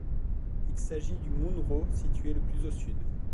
Il s'agit du munro situé le plus au sud.